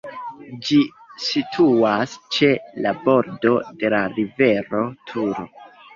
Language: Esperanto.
Ĝi situas ĉe la bordo de la rivero Turo.